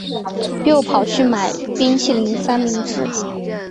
又跑去买冰淇淋三明治